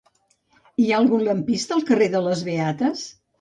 Hi ha algun lampista al carrer de les Beates?